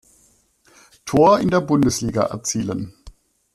Tor in der Bundesliga erzielen.